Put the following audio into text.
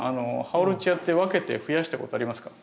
ハオルチアって分けてふやしたことありますか？